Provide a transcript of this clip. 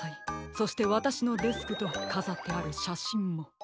そしてわたしのデスクとかざってあるしゃしんも。